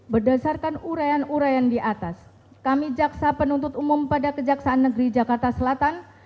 berdasarkan urayan urayan di atas kami jaksa penuntut umum pada kejaksaan negeri jakarta selatan